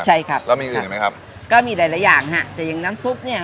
ใช่ครับแล้วมีอย่างอื่นอีกไหมครับก็มีหลายหลายอย่างฮะแต่อย่างน้ำซุปเนี้ย